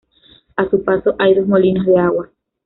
A su paso hay dos molinos de agua.